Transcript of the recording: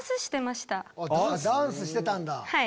ダンスしてたんだ。